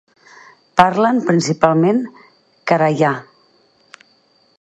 Parlen principalment karay-a.